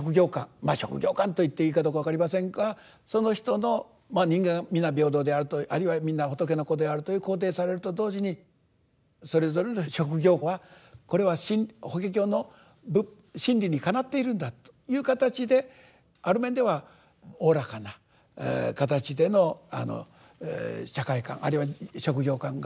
まあ職業観と言っていいかどうか分かりませんがその人の人間皆平等であるとあるいはみんな仏の子であると肯定されると同時にそれぞれの職業はこれは法華経の真理にかなっているんだいう形である面ではおおらかな形での社会観あるいは職業観があるのではないかと。